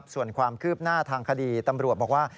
ส่วนความคืบหน้าทางคดีตำรวจบอกว่า